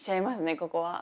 ここは。